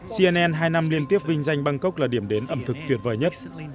cnn hai năm liên tiếp vinh danh bangkok là điểm đến ẩm thực tuyệt vời nhất